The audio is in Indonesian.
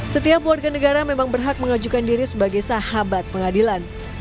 setiap warga negara memang berhak mengajukan diri sebagai sahabat pengadilan